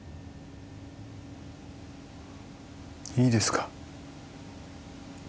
いいですか？